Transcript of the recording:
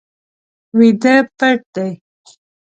ویده پټ دی